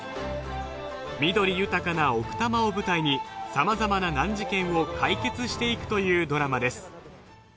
緑豊かな奥多摩を舞台にさまざまな難事件を解決していくというドラマです